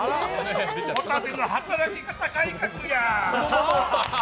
ホタテの働き方改革や！